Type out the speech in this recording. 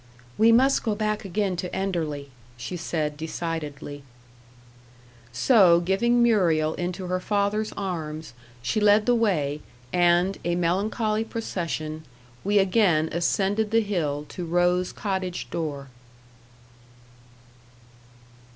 "We must go back again to Enderley," she said decidedly. So, giving Muriel into her father's arms, she led the way, and, a melancholy procession, we again ascended the hill to Rose Cottage door.